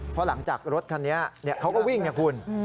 เพราะหลังจากรถคันนี้เขาก็วิ่งไงคุณ